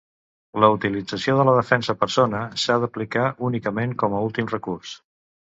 La utilització de la defensa persona s'ha d'aplicar únicament com a últim recurs.